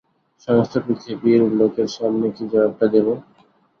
সমস্ত পৃথিবীর লোকের সামনে কী জবাবটা দেব?